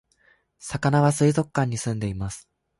さかなは水族館に住んでいます